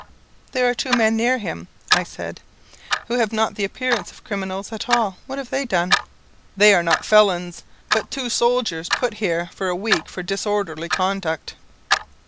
"There are two men near him," I said, "who have not the appearance of criminals at all. What have they done?" "They are not felons, but two soldiers put in here for a week for disorderly conduct."